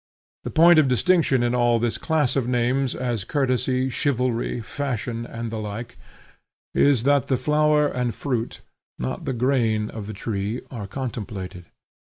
The point of distinction in all this class of names, as courtesy, chivalry, fashion, and the like, is that the flower and fruit, not the grain of the tree, are contemplated.